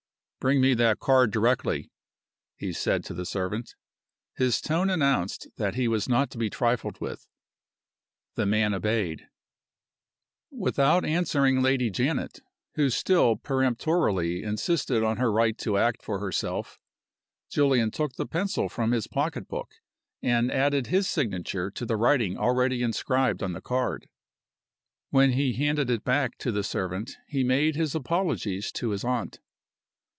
"Bring me that card directly," he said to the servant. His tone announced that he was not to be trifled with. The man obeyed. Without answering Lady Janet who still peremptorily insisted on her right to act for herself Julian took the pencil from his pocketbook and added his signature to the writing already inscribed on the card. When he had handed it back to the servant he made his apologies to his aunt.